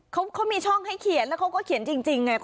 เขามีช่องให้เขียนแล้วเขาก็เขียนจริงไง